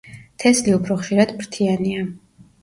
თესლი უფრო ხშირად ფრთიანია.